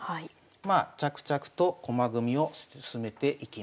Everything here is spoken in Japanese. まあ着々と駒組みを進めていきます。